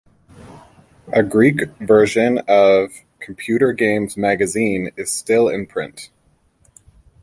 A Greek version of "Computer Games Magazine" is still in print.